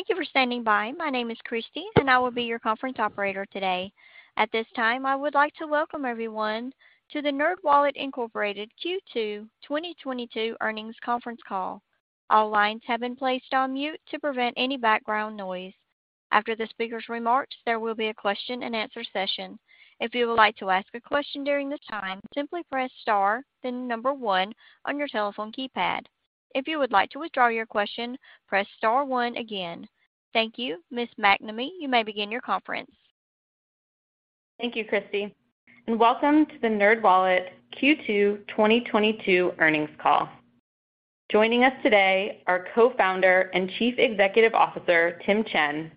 Thank you for standing by. My name is Christy, and I will be your conference operator today. At this time, I would like to welcome everyone to the NerdWallet, Inc Q2 2022 earnings conference call. All lines have been placed on mute to prevent any background noise. After the speaker's remarks, there will be a question-and-answer session. If you would like to ask a question during this time, simply press star then number one on your telephone keypad. If you would like to withdraw your question, press star one again. Thank you. Ms. MacNamee, you may begin your conference. Thank you, Christy, and welcome to the NerdWallet Q2 2022 earnings call. Joining us today are Co-Founder and Chief Executive Officer, Tim Chen,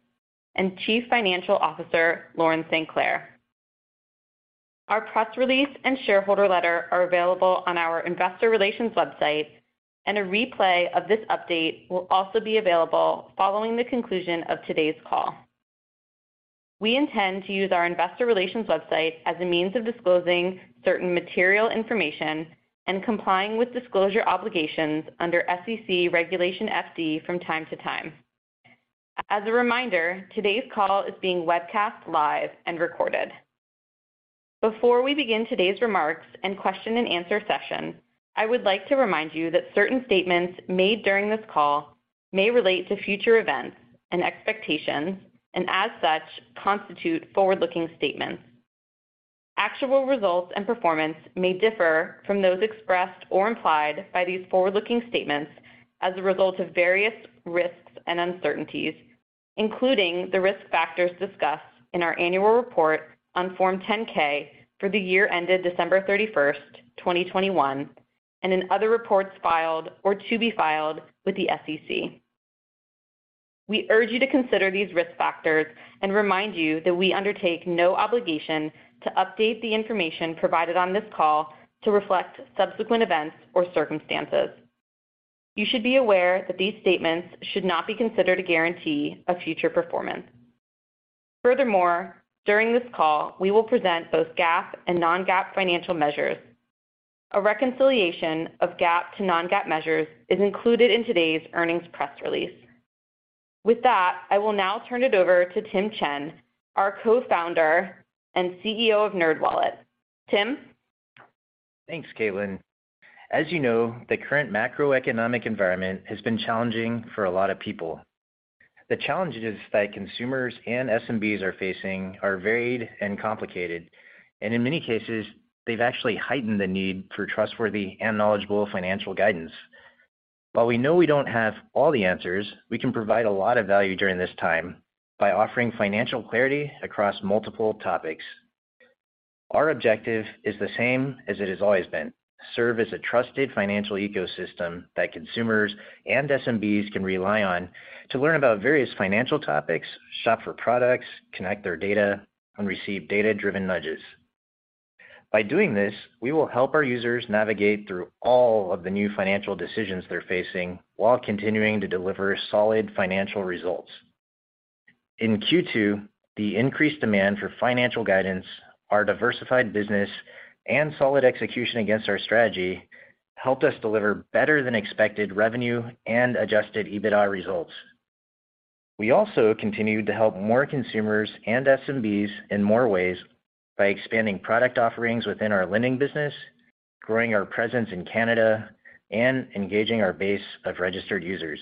and Chief Financial Officer, Lauren StClair. Our press release and shareholder letter are available on our investor relations website, and a replay of this update will also be available following the conclusion of today's call. We intend to use our investor relations website as a means of disclosing certain material information and complying with disclosure obligations under SEC Regulation FD from time to time. As a reminder, today's call is being webcast live and recorded. Before we begin today's remarks and question-and-answer session, I would like to remind you that certain statements made during this call may relate to future events and expectations, and as such, constitute forward-looking statements. Actual results and performance may differ from those expressed or implied by these forward-looking statements as a result of various risks and uncertainties, including the risk factors discussed in our annual report on Form 10-K for the year ended December 31st, 2021, and in other reports filed or to be filed with the SEC. We urge you to consider these risk factors and remind you that we undertake no obligation to update the information provided on this call to reflect subsequent events or circumstances. You should be aware that these statements should not be considered a guarantee of future performance. Furthermore, during this call, we will present both GAAP and non-GAAP financial measures. A reconciliation of GAAP to non-GAAP measures is included in today's earnings press release. With that, I will now turn it over to Tim Chen, our Co-Founder and CEO of NerdWallet. Tim? Thanks, Caitlin. As you know, the current macroeconomic environment has been challenging for a lot of people. The challenges that consumers and SMBs are facing are varied and complicated, and in many cases, they've actually heightened the need for trustworthy and knowledgeable financial guidance. While we know we don't have all the answers, we can provide a lot of value during this time by offering financial clarity across multiple topics. Our objective is the same as it has always been, serve as a trusted financial ecosystem that consumers and SMBs can rely on to learn about various financial topics, shop for products, connect their data, and receive data-driven nudges. By doing this, we will help our users navigate through all of the new financial decisions they're facing while continuing to deliver solid financial results. In Q2, the increased demand for financial guidance, our diversified business, and solid execution against our strategy helped us deliver better than expected revenue and adjusted EBITDA results. We also continued to help more consumers and SMBs in more ways by expanding product offerings within our lending business, growing our presence in Canada, and engaging our base of registered users.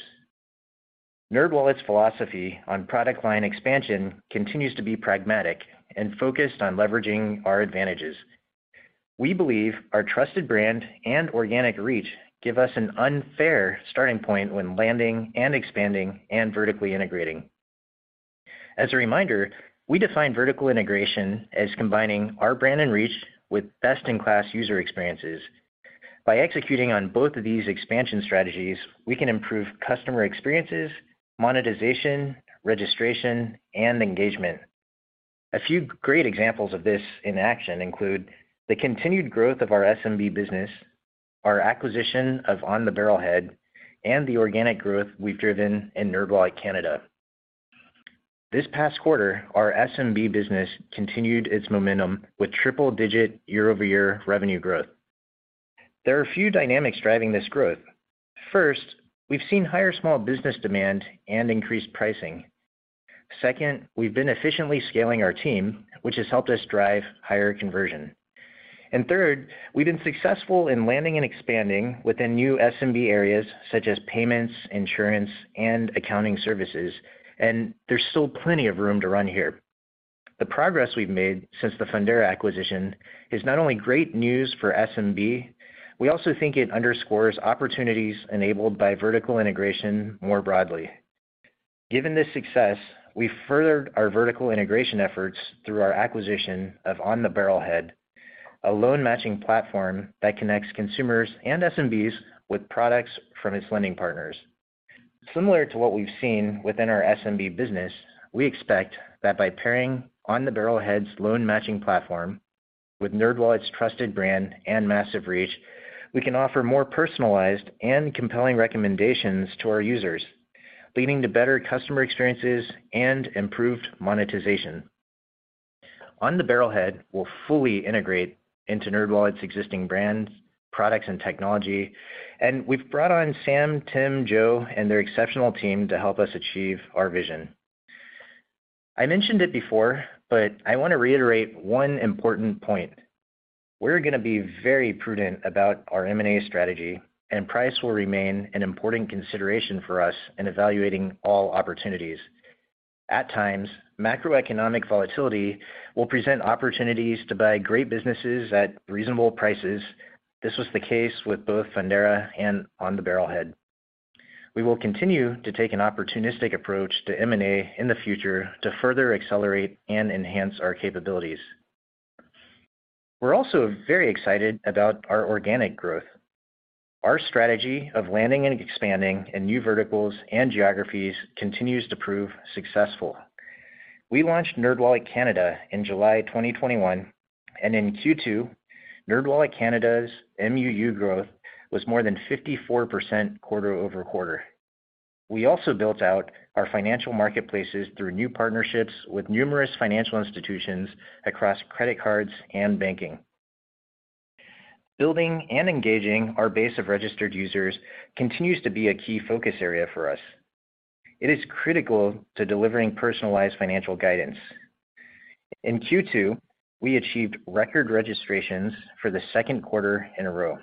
NerdWallet's philosophy on product line expansion continues to be pragmatic and focused on leveraging our advantages. We believe our trusted brand and organic reach give us an unfair starting point when landing and expanding and vertically integrating. As a reminder, we define vertical integration as combining our brand and reach with best-in-class user experiences. By executing on both of these expansion strategies, we can improve customer experiences, monetization, registration, and engagement. A few great examples of this in action include the continued growth of our SMB business, our acquisition of On the Barrelhead, and the organic growth we've driven in NerdWallet Canada. This past quarter, our SMB business continued its momentum with triple-digit year-over-year revenue growth. There are a few dynamics driving this growth. First, we've seen higher small business demand and increased pricing. Second, we've been efficiently scaling our team, which has helped us drive higher conversion. Third, we've been successful in landing and expanding within new SMB areas such as payments, insurance, and accounting services, and there's still plenty of room to run here. The progress we've made since the Fundera acquisition is not only great news for SMB. We also think it underscores opportunities enabled by vertical integration more broadly. Given this success, we furthered our vertical integration efforts through our acquisition of On the Barrelhead, a loan matching platform that connects consumers and SMBs with products from its lending partners. Similar to what we've seen within our SMB business, we expect that by pairing On the Barrelhead's loan matching platform with NerdWallet's trusted brand and massive reach, we can offer more personalized and compelling recommendations to our users, leading to better customer experiences and improved monetization. On the Barrelhead will fully integrate into NerdWallet's existing brands, products, and technology, and we've brought on Sam, Tim, Joe, and their exceptional team to help us achieve our vision. I mentioned it before, but I want to reiterate one important point. We're gonna be very prudent about our M&A strategy, and price will remain an important consideration for us in evaluating all opportunities. At times, macroeconomic volatility will present opportunities to buy great businesses at reasonable prices. This was the case with both Fundera and On the Barrelhead. We will continue to take an opportunistic approach to M&A in the future to further accelerate and enhance our capabilities. We're also very excited about our organic growth. Our strategy of landing and expanding in new verticals and geographies continues to prove successful. We launched NerdWallet Canada in July 2021, and in Q2, NerdWallet Canada's MUU growth was more than 54% quarter-over-quarter. We also built out our financial marketplaces through new partnerships with numerous financial institutions across credit cards and banking. Building and engaging our base of registered users continues to be a key focus area for us. It is critical to delivering personalized financial guidance. In Q2, we achieved record registrations for the second quarter in a row.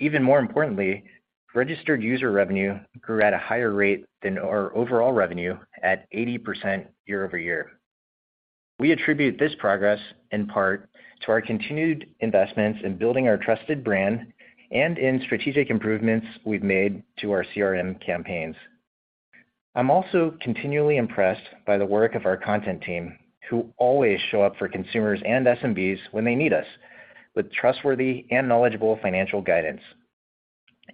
Even more importantly, registered user revenue grew at a higher rate than our overall revenue at 80% year-over-year. We attribute this progress in part to our continued investments in building our trusted brand and in strategic improvements we've made to our CRM campaigns. I'm also continually impressed by the work of our content team, who always show up for consumers and SMBs when they need us with trustworthy and knowledgeable financial guidance.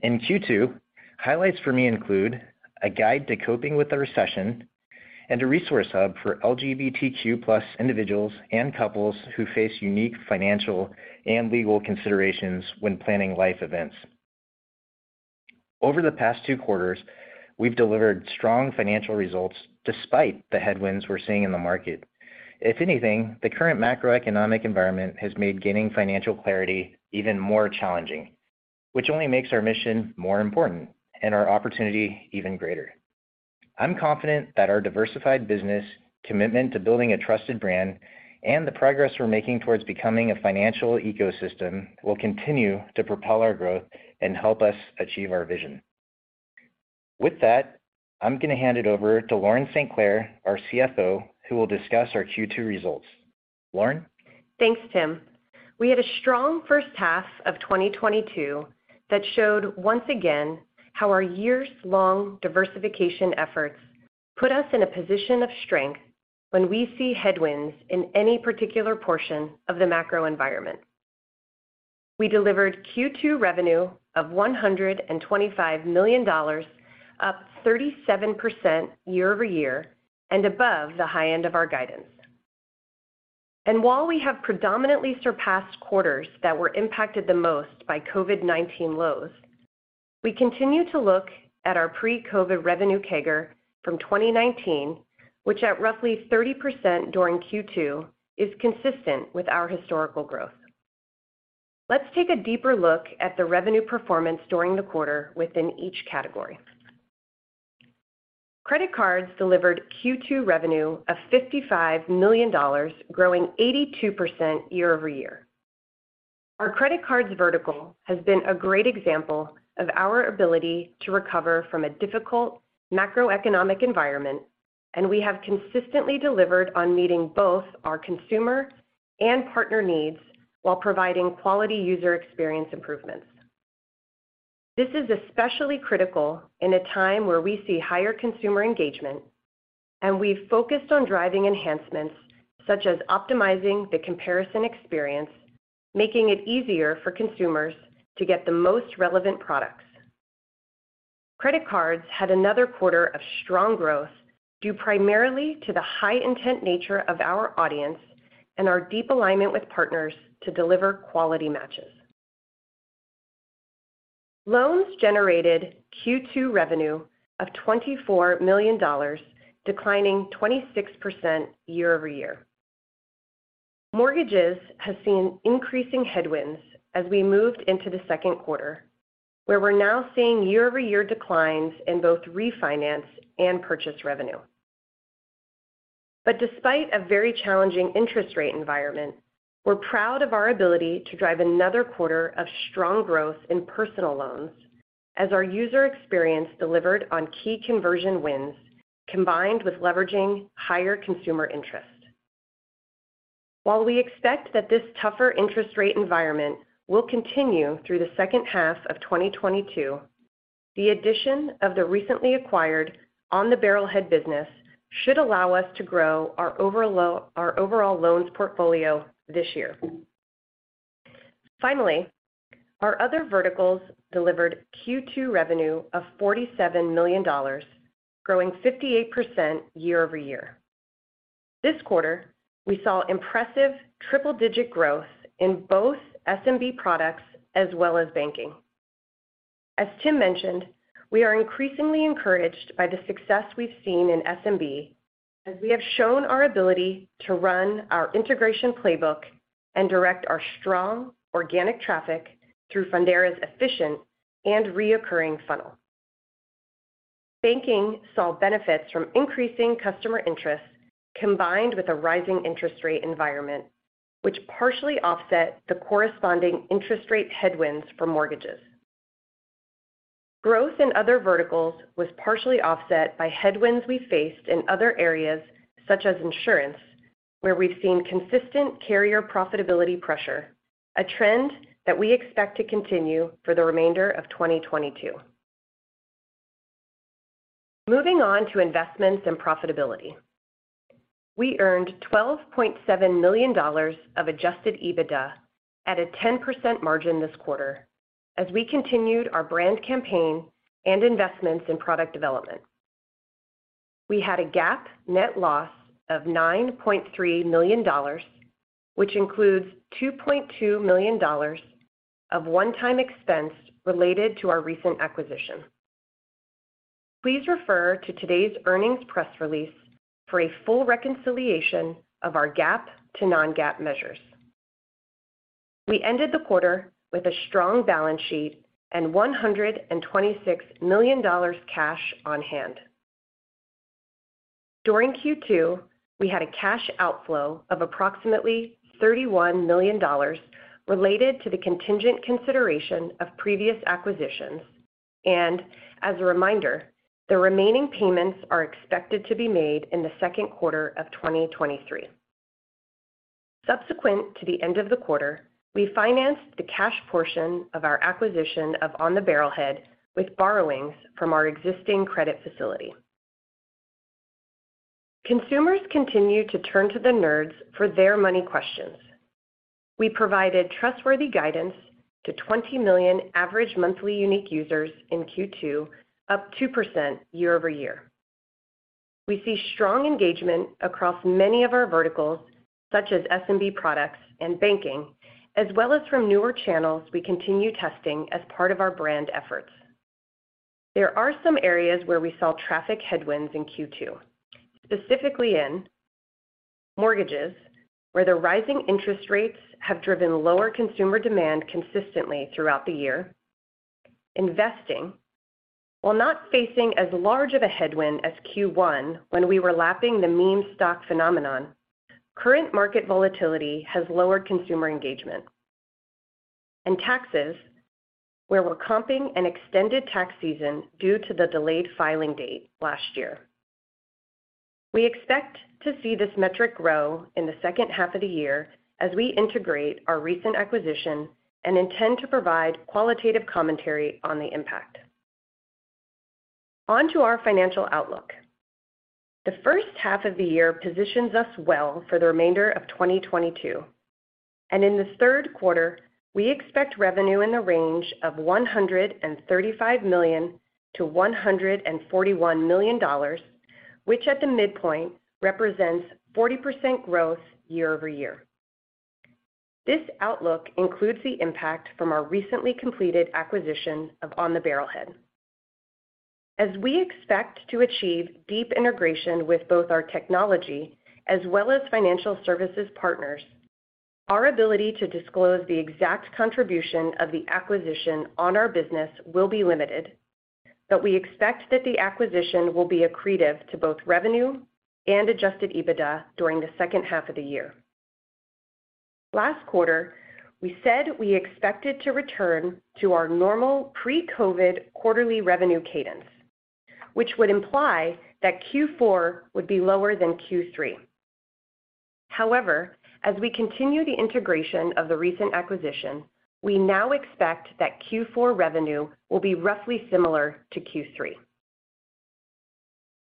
In Q2, highlights for me include a guide to coping with the recession and a resource hub for LGBTQ+ individuals and couples who face unique financial and legal considerations when planning life events. Over the past two quarters, we've delivered strong financial results despite the headwinds we're seeing in the market. If anything, the current macroeconomic environment has made gaining financial clarity even more challenging, which only makes our mission more important and our opportunity even greater. I'm confident that our diversified business commitment to building a trusted brand and the progress we're making towards becoming a financial ecosystem will continue to propel our growth and help us achieve our vision. With that, I'm going to hand it over to Lauren StClair, our CFO, who will discuss our Q2 results. Lauren? Thanks, Tim. We had a strong first half of 2022 that showed once again how our years-long diversification efforts put us in a position of strength when we see headwinds in any particular portion of the macro environment. We delivered Q2 revenue of $125 million, up 37% year-over-year and above the high end of our guidance. While we have predominantly surpassed quarters that were impacted the most by COVID-19 lows, we continue to look at our pre-COVID revenue CAGR from 2019, which at roughly 30% during Q2 is consistent with our historical growth. Let's take a deeper look at the revenue performance during the quarter within each category. Credit cards delivered Q2 revenue of $55 million, growing 82% year-over-year. Our credit cards vertical has been a great example of our ability to recover from a difficult macroeconomic environment, and we have consistently delivered on meeting both our consumer and partner needs while providing quality user experience improvements. This is especially critical in a time where we see higher consumer engagement, and we've focused on driving enhancements such as optimizing the comparison experience, making it easier for consumers to get the most relevant products. Credit cards had another quarter of strong growth due primarily to the high intent nature of our audience and our deep alignment with partners to deliver quality matches. Loans generated Q2 revenue of $24 million, declining 26% year-over-year. Mortgages have seen increasing headwinds as we moved into the second quarter, where we're now seeing year-over-year declines in both refinance and purchase revenue. Despite a very challenging interest rate environment, we're proud of our ability to drive another quarter of strong growth in personal loans as our user experience delivered on key conversion wins combined with leveraging higher consumer interest. While we expect that this tougher interest rate environment will continue through the second half of 2022, the addition of the recently acquired On the Barrelhead business should allow us to grow our overall loans portfolio this year. Finally, our other verticals delivered Q2 revenue of $47 million, growing 58% year-over-year. This quarter, we saw impressive triple-digit growth in both SMB products as well as banking. As Tim mentioned, we are increasingly encouraged by the success we've seen in SMB as we have shown our ability to run our integration playbook and direct our strong organic traffic through Fundera's efficient and recurring funnel. Banking saw benefits from increasing customer interest combined with a rising interest rate environment, which partially offset the corresponding interest rate headwinds for mortgages. Growth in other verticals was partially offset by headwinds we faced in other areas such as insurance, where we've seen consistent carrier profitability pressure, a trend that we expect to continue for the remainder of 2022. Moving on to investments and profitability. We earned $12.7 million of adjusted EBITDA at a 10% margin this quarter as we continued our brand campaign and investments in product development. We had a GAAP net loss of $9.3 million, which includes $2.2 million of one-time expense related to our recent acquisition. Please refer to today's earnings press release for a full reconciliation of our GAAP to non-GAAP measures. We ended the quarter with a strong balance sheet and $126 million cash on hand. During Q2, we had a cash outflow of approximately $31 million related to the contingent consideration of previous acquisitions. As a reminder, the remaining payments are expected to be made in the second quarter of 2023. Subsequent to the end of the quarter, we financed the cash portion of our acquisition of On the Barrelhead with borrowings from our existing credit facility. Consumers continue to turn to the Nerds for their money questions. We provided trustworthy guidance to 20 million average monthly unique users in Q2, up 2% year-over-year. We see strong engagement across many of our verticals, such as SMB products and banking, as well as from newer channels we continue testing as part of our brand efforts. There are some areas where we saw traffic headwinds in Q2, specifically in mortgages, where the rising interest rates have driven lower consumer demand consistently throughout the year. Investing, while not facing as large of a headwind as Q1 when we were lapping the meme stock phenomenon, current market volatility has lowered consumer engagement. In taxes, where we're comping an extended tax season due to the delayed filing date last year. We expect to see this metric grow in the second half of the year as we integrate our recent acquisition and intend to provide qualitative commentary on the impact. On to our financial outlook. The first half of the year positions us well for the remainder of 2022, and in the third quarter, we expect revenue in the range of $135 million-$141 million, which at the midpoint represents 40% growth year-over-year. This outlook includes the impact from our recently completed acquisition of On the Barrelhead. As we expect to achieve deep integration with both our technology as well as financial services partners, our ability to disclose the exact contribution of the acquisition on our business will be limited, but we expect that the acquisition will be accretive to both revenue and adjusted EBITDA during the second half of the year. Last quarter, we said we expected to return to our normal pre-COVID quarterly revenue cadence, which would imply that Q4 would be lower than Q3. However, as we continue the integration of the recent acquisition, we now expect that Q4 revenue will be roughly similar to Q3.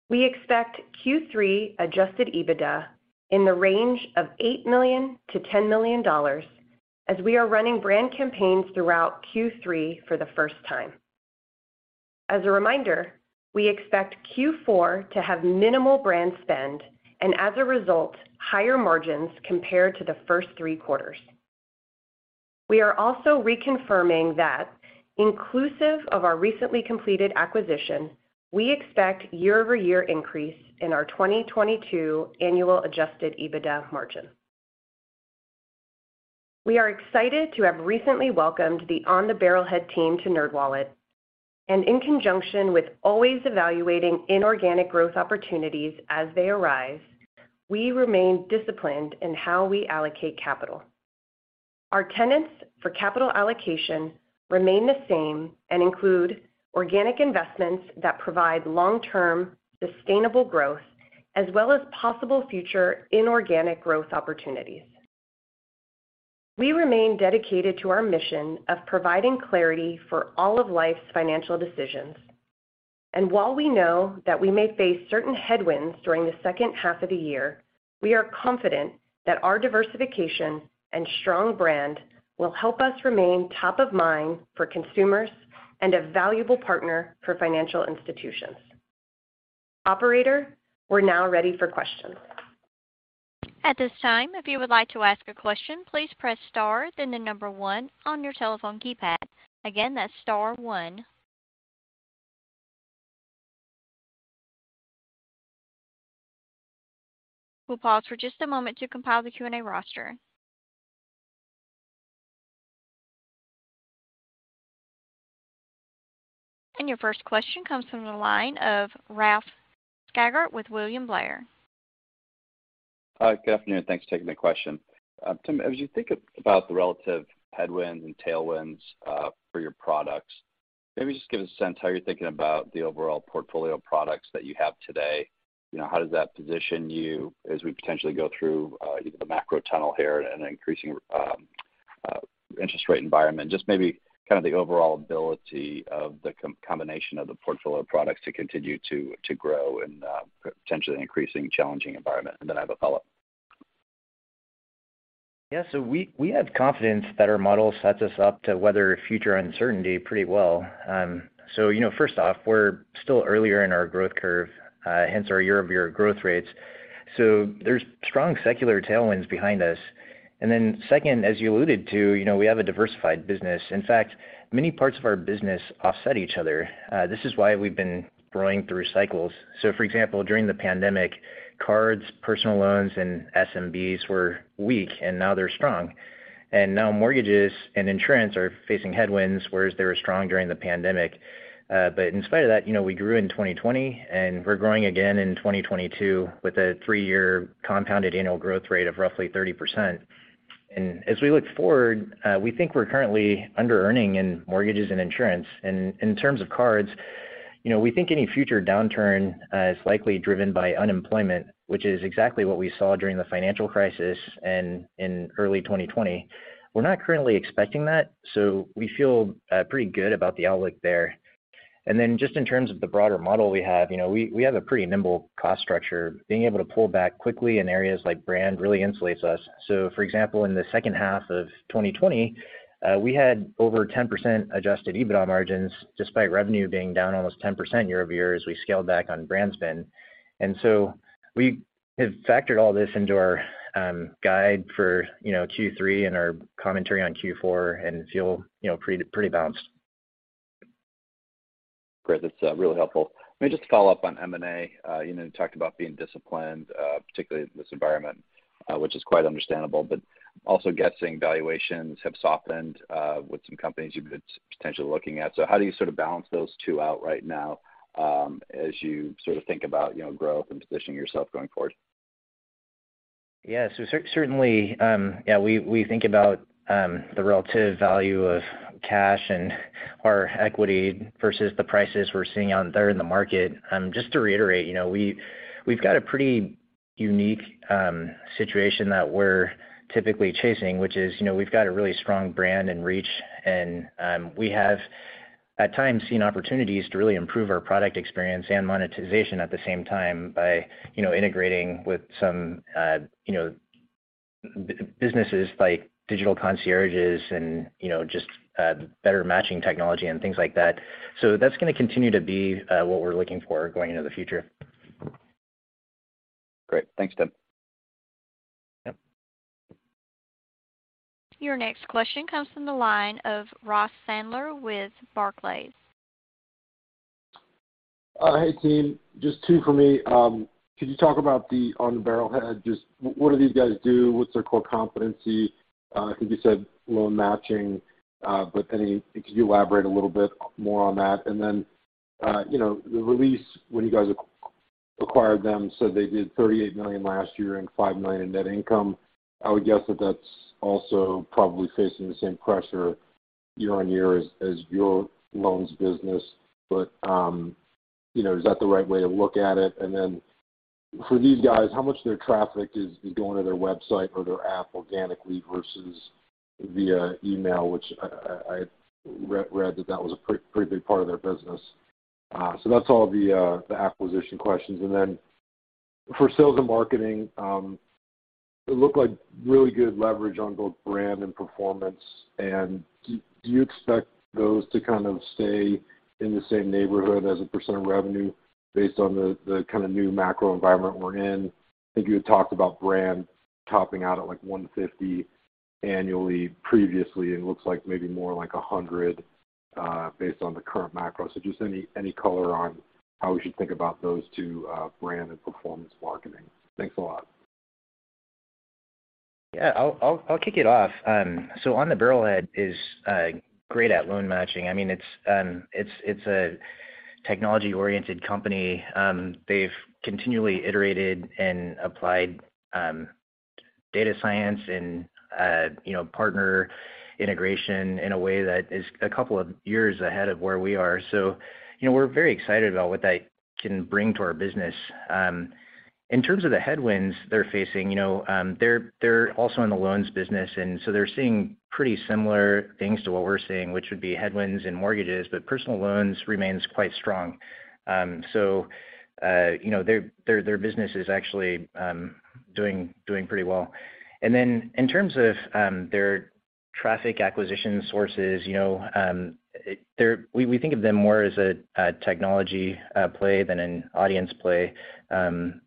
We expect Q3 adjusted EBITDA in the range of $8 million-$10 million as we are running brand campaigns throughout Q3 for the first time. As a reminder, we expect Q4 to have minimal brand spend and, as a result, higher margins compared to the first three quarters. We are also reconfirming that inclusive of our recently completed acquisition, we expect year-over-year increase in our 2022 annual adjusted EBITDA margin. We are excited to have recently welcomed the On the Barrelhead team to NerdWallet, and in conjunction with always evaluating inorganic growth opportunities as they arise, we remain disciplined in how we allocate capital. Our tenets for capital allocation remain the same and include organic investments that provide long-term sustainable growth as well as possible future inorganic growth opportunities. We remain dedicated to our mission of providing clarity for all of life's financial decisions. While we know that we may face certain headwinds during the second half of the year, we are confident that our diversification and strong brand will help us remain top of mind for consumers and a valuable partner for financial institutions. Operator, we're now ready for questions. At this time, if you would like to ask a question, please press star then the number one on your telephone keypad. Again, that's star one. We'll pause for just a moment to compile the Q&A roster. Your first question comes from the line of Ralph Schackart with William Blair. Good afternoon, and thanks for taking the question. Tim, as you think about the relative headwinds and tailwinds for your products, maybe just give a sense how you're thinking about the overall portfolio of products that you have today. You know, how does that position you as we potentially go through the macro tunnel here and an increasing interest rate environment? Just maybe kind of the overall ability of the combination of the portfolio of products to continue to grow and potentially increasingly challenging environment. Then I have a follow-up. Yeah. We have confidence that our model sets us up to weather future uncertainty pretty well. You know, first off, we're still earlier in our growth curve, hence our year-over-year growth rates. There's strong secular tailwinds behind us. Second, as you alluded to, you know, we have a diversified business. In fact, many parts of our business offset each other. This is why we've been growing through cycles. For example, during the pandemic, cards, personal loans, and SMBs were weak, and now they're strong. Now mortgages and insurance are facing headwinds, whereas they were strong during the pandemic. In spite of that, you know, we grew in 2020, and we're growing again in 2022 with a three-year compounded annual growth rate of roughly 30%. As we look forward, we think we're currently under-earning in mortgages and insurance. In terms of cards, you know, we think any future downturn is likely driven by unemployment, which is exactly what we saw during the financial crisis and in early 2020. We're not currently expecting that, so we feel pretty good about the outlook there. Then just in terms of the broader model we have, you know, we have a pretty nimble cost structure. Being able to pull back quickly in areas like brand really insulates us. For example, in the second half of 2020, we had over 10% adjusted EBITDA margins despite revenue being down almost 10% year-over-year as we scaled back on brand spend. We have factored all this into our guide for, you know, Q3 and our commentary on Q4 and feel, you know, pretty balanced. Great. That's really helpful. Let me just follow up on M&A. You know, you talked about being disciplined, particularly in this environment, which is quite understandable, but also, given valuations have softened, with some companies you've been potentially looking at. How do you sort of balance those two out right now, as you sort of think about, you know, growth and positioning yourself going forward? Yeah. Certainly, yeah, we think about the relative value of cash and our equity versus the prices we're seeing out there in the market. Just to reiterate, you know, we've got a pretty unique situation that we're typically chasing, which is, you know, we've got a really strong brand and reach, and we have at times seen opportunities to really improve our product experience and monetization at the same time by, you know, integrating with some, you know, businesses like digital concierges and, you know, just better matching technology and things like that. That's gonna continue to be what we're looking for going into the future. Great. Thanks, Tim. Yep. Your next question comes from the line of Ross Sandler with Barclays. Hey, team. Just two for me. Could you talk about the On the Barrelhead, just what do these guys do? What's their core competency? I think you said loan matching, but could you elaborate a little bit more on that? You know, the release when you guys acquired them, so they did $38 million last year and $5 million in net income. I would guess that that's also probably facing the same pressure year-on-year as your loans business. You know, is that the right way to look at it? For these guys, how much of their traffic is going to their website or their app organically versus via email, which I read that that was a pretty big part of their business? That's all the acquisition questions. For sales and marketing, it looked like really good leverage on both brand and performance. Do you expect those to kind of stay in the same neighborhood as a percent of revenue based on the kinda new macro environment we're in? I think you had talked about brand topping out at, like, 150 annually previously. It looks like maybe more like 100 based on the current macro. Just any color on how we should think about those two, brand and performance marketing. Thanks a lot. Yeah. I'll kick it off. On the Barrelhead is great at loan matching. I mean, it's a technology-oriented company. They've continually iterated and applied data science and, you know, partner integration in a way that is a couple of years ahead of where we are. You know, we're very excited about what that can bring to our business. In terms of the headwinds they're facing, you know, they're also in the loans business, and they're seeing pretty similar things to what we're seeing, which would be headwinds in mortgages, but personal loans remains quite strong. You know, their business is actually doing pretty well. In terms of their traffic acquisition sources, you know, we think of them more as a technology play than an audience play.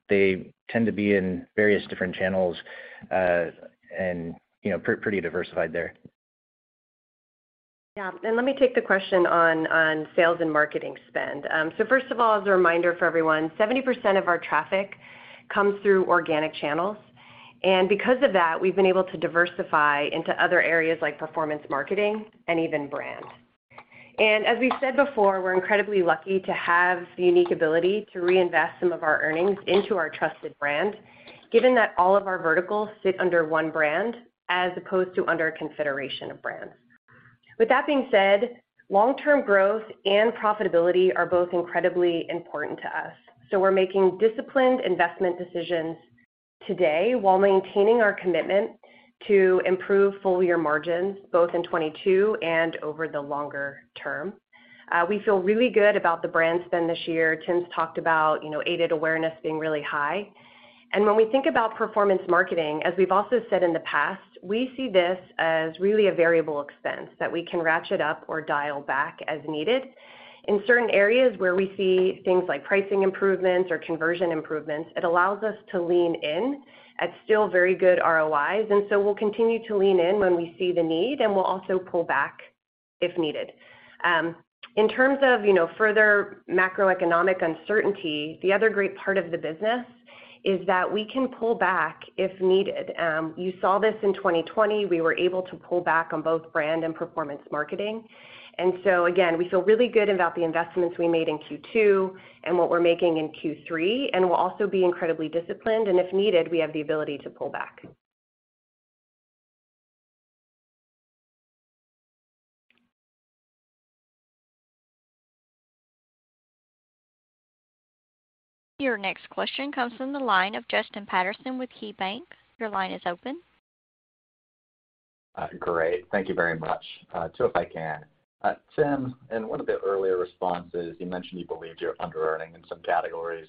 They tend to be in various different channels, and you know, pretty diversified there. Yeah. Let me take the question on sales and marketing spend. First of all, as a reminder for everyone, 70% of our traffic comes through organic channels. Because of that, we've been able to diversify into other areas like performance marketing and even brand. As we've said before, we're incredibly lucky to have the unique ability to reinvest some of our earnings into our trusted brand, given that all of our verticals sit under one brand as opposed to under a constellation of brands. With that being said, long-term growth and profitability are both incredibly important to us. We're making disciplined investment decisions today while maintaining our commitment to improve full year margins, both in 2022 and over the longer term. We feel really good about the brand spend this year. Tim's talked about, you know, aided awareness being really high. When we think about performance marketing, as we've also said in the past, we see this as really a variable expense that we can ratchet up or dial back as needed. In certain areas where we see things like pricing improvements or conversion improvements, it allows us to lean in at still very good ROIs. We'll continue to lean in when we see the need, and we'll also pull back if needed. In terms of, you know, further macroeconomic uncertainty, the other great part of the business is that we can pull back if needed. You saw this in 2020. We were able to pull back on both brand and performance marketing. Again, we feel really good about the investments we made in Q2 and what we're making in Q3, and we'll also be incredibly disciplined. If needed, we have the ability to pull back. Your next question comes from the line of Justin Patterson with KeyBanc. Your line is open. Great. Thank you very much. Two, if I can. Tim, in one of the earlier responses, you mentioned you believed you're under-earning in some categories.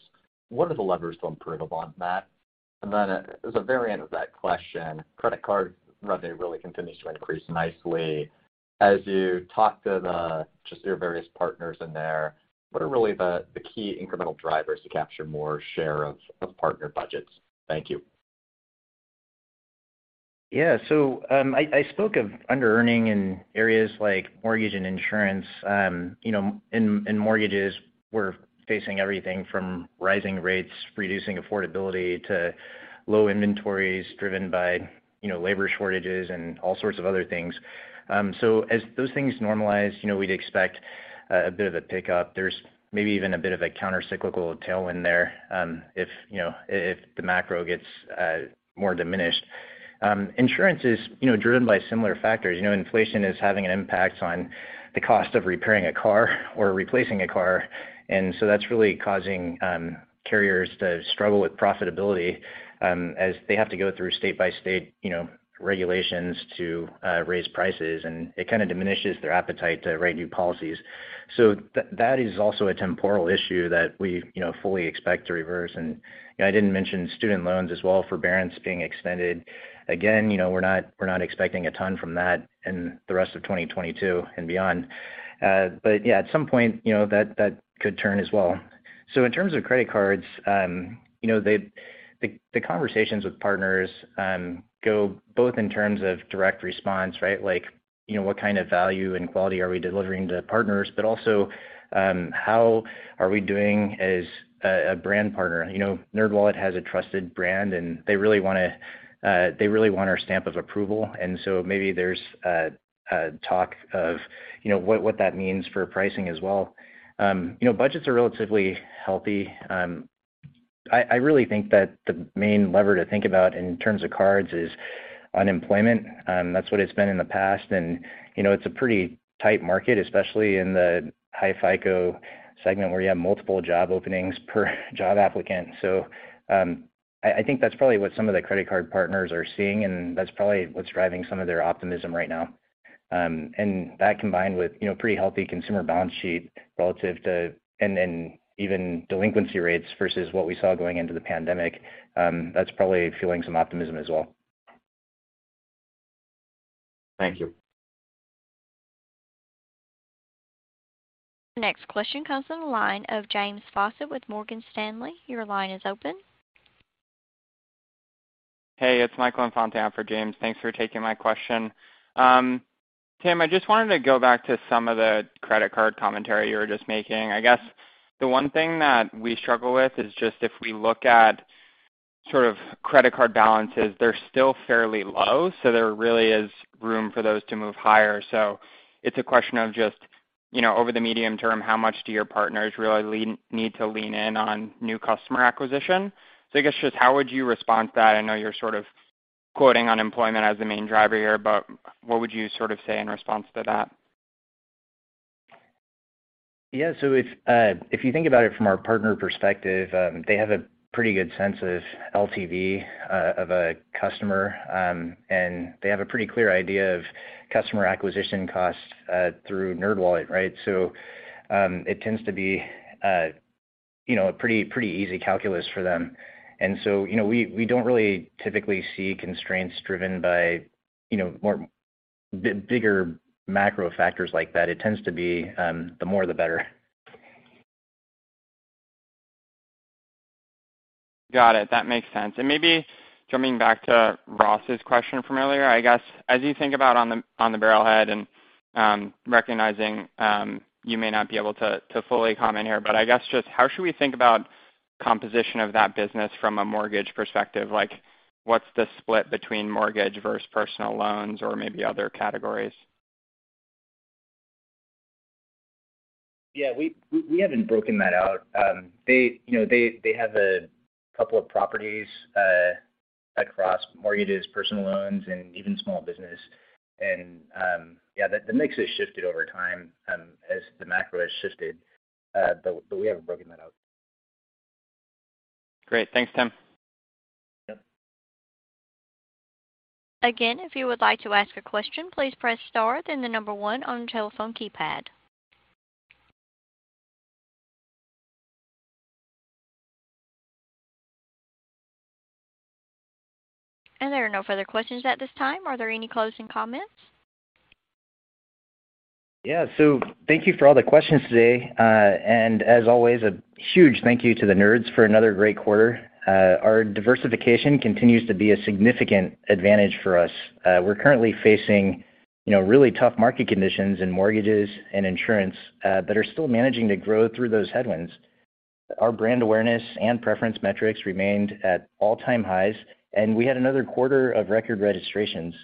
What are the levers to improve upon that? As a variant of that question, credit card revenue really continues to increase nicely. As you talk to just your various partners in there, what are really the key incremental drivers to capture more share of partner budgets? Thank you. Yeah. I spoke of under-earning in areas like mortgage and insurance. You know, in mortgages, we're facing everything from rising rates, reducing affordability to low inventories driven by, you know, labor shortages and all sorts of other things. As those things normalize, you know, we'd expect a bit of a pickup. There's maybe even a bit of a counter-cyclical tailwind there, if you know, if the macro gets more diminished. Insurance is, you know, driven by similar factors. You know, inflation is having an impact on the cost of repairing a car or replacing a car. That's really causing carriers to struggle with profitability, as they have to go through state by state, you know, regulations to raise prices, and it kinda diminishes their appetite to write new policies. That is also a temporal issue that we, you know, fully expect to reverse. You know, I didn't mention student loans as well, forbearance being extended. Again, you know, we're not expecting a ton from that in the rest of 2022 and beyond. Yeah, at some point, you know, that could turn as well. In terms of credit cards, you know, the conversations with partners go both in terms of direct response, right? Like, you know, what kind of value and quality are we delivering to partners, but also, how are we doing as a brand partner? You know, NerdWallet has a trusted brand, and they really want our stamp of approval. Maybe there's a talk of, you know, what that means for pricing as well. You know, budgets are relatively healthy. I really think that the main lever to think about in terms of cards is unemployment. That's what it's been in the past and, you know, it's a pretty tight market, especially in the high FICO segment where you have multiple job openings per job applicant. I think that's probably what some of the credit card partners are seeing, and that's probably what's driving some of their optimism right now. That combined with, you know, pretty healthy consumer balance sheet relative to an even delinquency rates versus what we saw going into the pandemic, that's probably fueling some optimism as well. Thank you. The next question comes from the line of James Faucette with Morgan Stanley. Your line is open. Hey, it's Mike Infante on for James. Thanks for taking my question. Tim, I just wanted to go back to some of the credit card commentary you were just making. I guess the one thing that we struggle with is just if we look at sort of credit card balances, they're still fairly low, so there really is room for those to move higher. It's a question of just, you know, over the medium term, how much do your partners really need to lean in on new customer acquisition? I guess just how would you respond to that? I know you're sort of quoting unemployment as the main driver here, but what would you sort of say in response to that? Yeah. If you think about it from our partner perspective, they have a pretty good sense of LTV of a customer, and they have a pretty clear idea of customer acquisition costs through NerdWallet, right? It tends to be a pretty easy calculus for them. You know, we don't really typically see constraints driven by bigger macro factors like that. It tends to be the more the better. Got it. That makes sense. Maybe jumping back to Ross's question from earlier. I guess, as you think about On the Barrelhead and, recognizing, you may not be able to fully comment here, but I guess just how should we think about composition of that business from a mortgage perspective? Like, what's the split between mortgage versus personal loans or maybe other categories? Yeah, we haven't broken that out. They, you know, they have a couple of properties across mortgages, personal loans, and even small business. Yeah, the mix has shifted over time as the macro has shifted. We haven't broken that out. Great. Thanks, Tim. Yep. Again, if you would like to ask a question, please press star then the number one on your telephone keypad. There are no further questions at this time. Are there any closing comments? Yeah. Thank you for all the questions today. As always, a huge thank you to the Nerds for another great quarter. Our diversification continues to be a significant advantage for us. We're currently facing, you know, really tough market conditions in mortgages and insurance, but are still managing to grow through those headwinds. Our brand awareness and preference metrics remained at all-time highs, and we had another quarter of record registrations.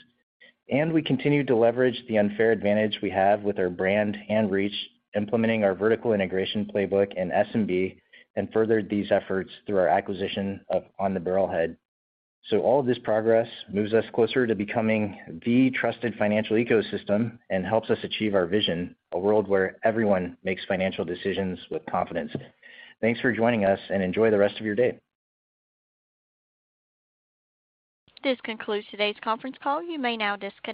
We continued to leverage the unfair advantage we have with our brand and reach, implementing our vertical integration playbook in SMB and furthered these efforts through our acquisition of On the Barrelhead. All of this progress moves us closer to becoming the trusted financial ecosystem and helps us achieve our vision, a world where everyone makes financial decisions with confidence. Thanks for joining us, and enjoy the rest of your day. This concludes today's conference call. You may now disconnect.